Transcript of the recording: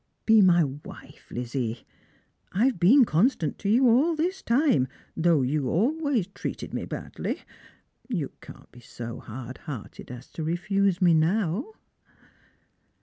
Be my wife, Lizzie. I've been constant to you all this time, though you always treated me badly. You can't be so hard hearted as to refuse me now